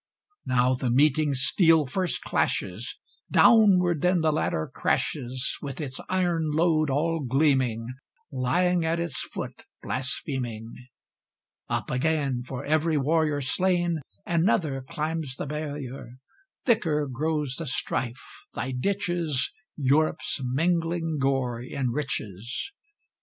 Now the meeting steel first clashes, Downward then the ladder crashes, With its iron load all gleaming, Lying at its foot blaspheming. Up again! for every warrior Slain, another climbs the barrier. Thicker grows the strife; thy ditches Europe's mingling gore enriches.